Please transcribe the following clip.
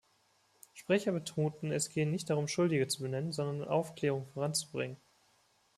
Sprecher betonten, es gehe nicht darum, Schuldige zu benennen, sondern Aufklärung voranzubringen.